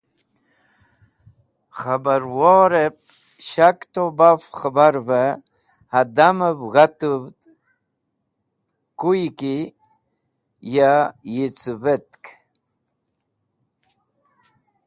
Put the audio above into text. Khẽbarvorẽb shak to baf k̃hẽbarvẽ hadamv g̃hatuvd koyvẽ ki ya yicũvet.